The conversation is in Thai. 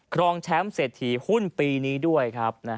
ครองแชมป์เศรษฐีหุ้นปีนี้ด้วยครับ